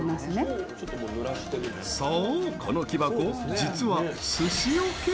そう、この木箱実は寿司桶！